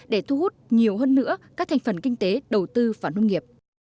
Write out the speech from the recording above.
để thu hút nhiều hơn nữa các thành phần kinh tế đầu tư và nông nghiệp